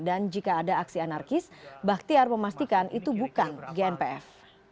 dan jika ada aksi anarkis baktiar memastikan itu bukan gnpf